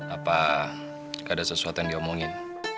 apa ada sesuatu yang diomongin